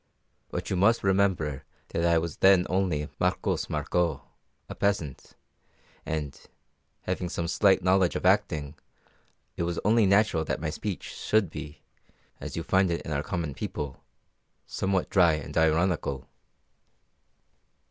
But you must remember that I was then only Marcos Marcó, a peasant, and, having some slight knowledge of acting, it was only natural that my speech should be, as you find it in our common people, somewhat dry and ironical.